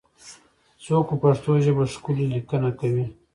څوک په پښتو ژبه ښکلې لیکنې کوي؟